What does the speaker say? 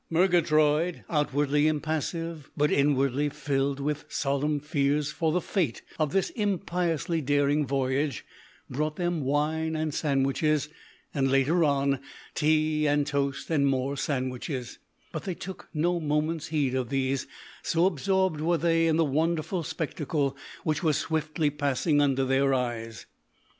Murgatroyd, outwardly impassive, but inwardly filled with solemn fears for the fate of this impiously daring voyage, brought them wine and sandwiches, and later on tea and toast and more sandwiches; but they took no moment's heed of these, so absorbed were they in the wonderful spectacle which was swiftly passing under their eyes.